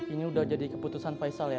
ini udah jadi keputusan faisal ya